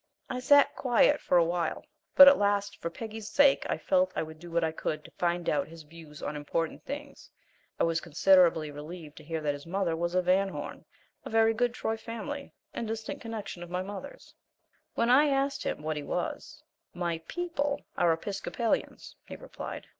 I sat quiet for a while, but at last for Peggy's sake I felt I would do what I could to find out his views on important things. I was considerably relieved to hear that his mother was a Van Horn, a very good Troy family and distant connection of mother's. When I asked him what he was, "My PEOPLE are Episcopalians," he replied.